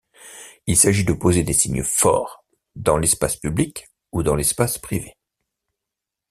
Il s'agit de poser des signes forts dans l'espace public ou dans l'espace privé.